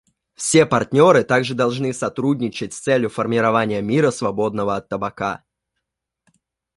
Все партнеры также должны сотрудничать с целью формирования мира, свободного от табака.